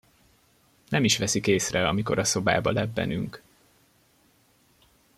Nem is veszik észre, amikor a szobába lebbenünk.